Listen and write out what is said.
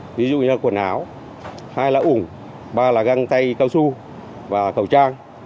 cái người xuống bể thì phải được trang bị đầy đủ bỏ lao động ví dụ như là quần áo hai là ủng ba là găng tay cao su và cầu trang